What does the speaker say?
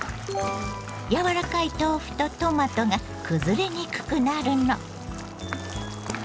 やわらかい豆腐とトマトがくずれにくくなるの。